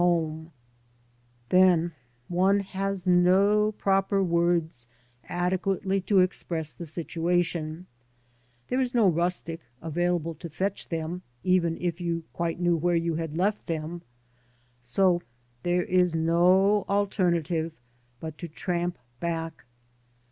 15 homel Then one has no proper words adequately to express the situation : there is no rustic available to fetch them, even if you quite knew where you had left them, so there is no alternative but to tramp back.